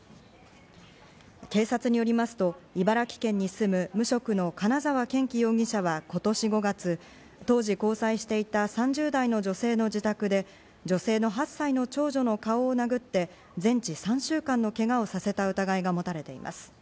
警察によりますと、茨城県に住む無職の金沢健樹容疑者は、今年５月、当時交際していた３０代の女性の自宅で女性の８歳の長女の顔を殴って全治３週間のけがをさせた疑いがもたれています。